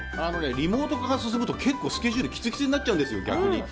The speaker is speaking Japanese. リモート化が進むと、結構スケジュールがキツキツになっちゃうんですよ。